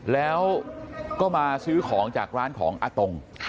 แล้วก็มาซื้อของจากร้านของอาตง